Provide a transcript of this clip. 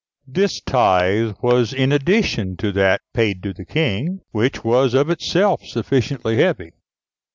This tithe was in addition to that paid to the King, which was of itself sufficiently heavy.